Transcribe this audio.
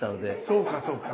そうかそうか。